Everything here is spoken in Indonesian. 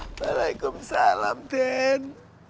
assalamualaikum salam den